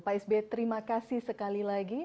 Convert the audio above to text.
pak sby terima kasih sekali lagi